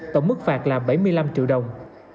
tổng mức phạt là bảy mươi năm triệu đồng